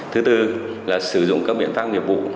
thứ tư là sử dụng các biện pháp nghiệp vụ